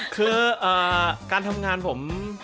คือการทำงานผม